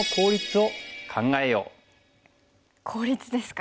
効率ですか。